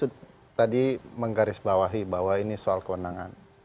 pak frih tadi menggaris bawahi bahwa ini soal kewenangan